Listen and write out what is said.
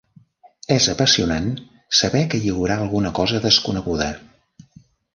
És apassionant saber que hi haurà alguna cosa desconeguda.